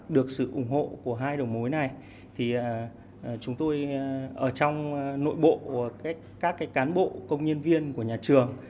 được sự ủng hộ của hai đầu mối này thì chúng tôi ở trong nội bộ các cán bộ công nhân viên của nhà trường